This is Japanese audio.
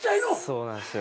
そうなんすよ。